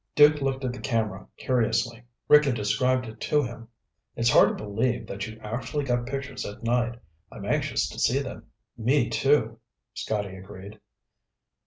Duke looked at the camera curiously. Rick had described it to him. "It's hard to believe that you actually got pictures at night. I'm anxious to see them." "Me, too," Scotty agreed.